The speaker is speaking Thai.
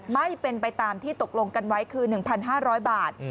ไม่เป็นไปตามที่ตกลงกันไว้คือ๑๕๐๐บาท